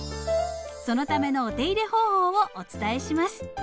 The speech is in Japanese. そのためのお手入れ方法をお伝えします。